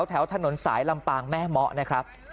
แถวถนนสายลำปางแม่เมาะนะครับ